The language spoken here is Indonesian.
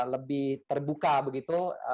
lebih terbuka begitu